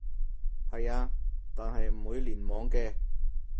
係啊，但係唔會聯網嘅